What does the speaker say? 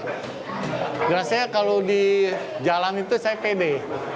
rasanya kalau di jalan itu saya pede